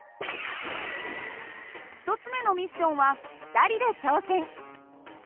１つ目のミッションは２人で挑戦。